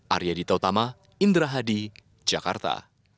arya dita utama indra hadi jakarta